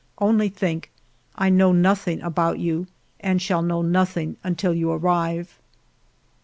Only think, I know nothing about you and shall know nothing until you arrive